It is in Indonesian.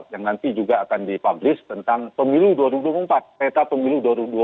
yang nanti juga akan dipublis tentang pemilu dua ribu dua puluh empat peta pemilu dua ribu dua puluh